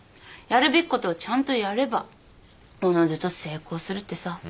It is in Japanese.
やるべきことをちゃんとやればおのずと成功するってさ。